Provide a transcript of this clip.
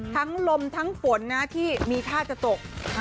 ลมทั้งฝนนะที่มีท่าจะตก